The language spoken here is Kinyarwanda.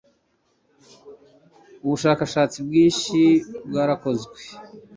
ubushakashatsi bwinshi bwarakozwe